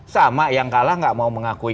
sama yang kalah nggak mau mengakui